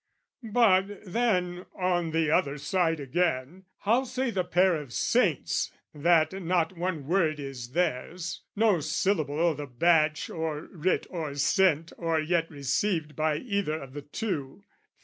But then on the other side again, how say The pair of saints? That not one word is theirs No syllable o' the batch or writ or sent Or yet received by either of the two.